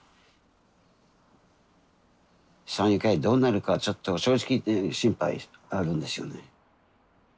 山友会どうなるかはちょっと正直言って心配あるんですよね。